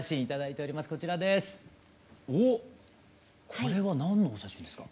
これは何のお写真ですか？